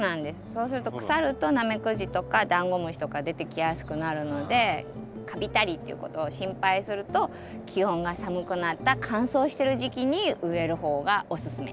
そうすると腐るとナメクジとかダンゴムシとか出てきやすくなるのでカビたりっていうことを心配すると気温が寒くなった乾燥してる時期に植える方がおすすめ。